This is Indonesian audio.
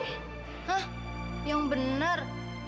hah yang benar